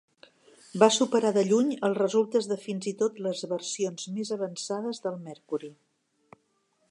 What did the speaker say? Va superar de lluny els resultes de fins i tot les versions més avançades del Mercury.